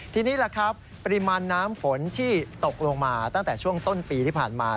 ทีนี้แหละครับปริมาณน้ำฝนที่ตกลงมาตั้งแต่ช่วงต้นปีที่ผ่านมา